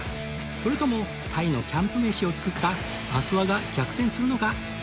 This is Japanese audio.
それとも鯛のキャンプ飯を作った阿諏訪が逆転するのか？